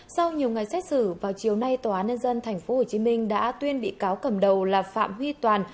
sau nhiều ngày xét xử vào chiều nay tòa án nhân dân tp hcm đã tuyên bị cáo cầm đầu là phạm huy toàn